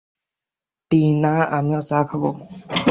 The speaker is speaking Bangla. টিনা, - আমিও চা খাবো।